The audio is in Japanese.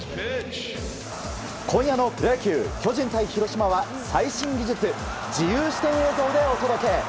今夜のプロ野球、巨人対広島は最新技術自由視点映像でお届け。